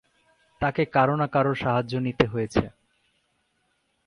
তাঁকে কারও-না-কারওর সাহায্য নিতে হয়েছে।